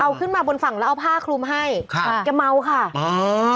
เอาขึ้นมาบนฝั่งแล้วเอาผ้าคลุมให้ครับแกเมาค่ะอ่า